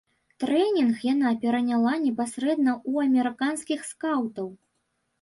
Трэнінг яна пераняла непасрэдна ў амерыканскіх скаўтаў.